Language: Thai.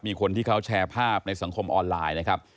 มีคนที่เขาแชร์ภาพในสังคมออนไลน์นะครับ